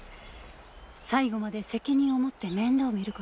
最後まで責任を持って面倒を見ること。